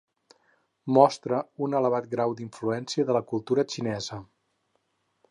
Mostra un elevat grau d'influència de la cultura xinesa.